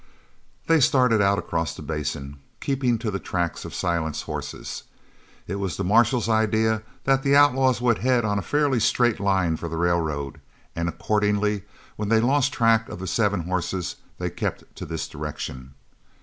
They started out across the basin, keeping to the tracks of Silent's horses. It was the marshal's idea that the outlaws would head on a fairly straight line for the railroad and accordingly when they lost the track of the seven horses they kept to this direction.